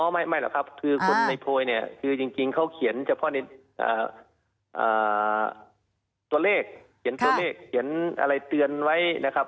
ไม่หรอกครับคือคนในโพยเนี่ยคือจริงเขาเขียนเฉพาะในตัวเลขเขียนตัวเลขเขียนอะไรเตือนไว้นะครับ